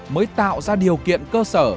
mới tạo ra điều kiện cơ sở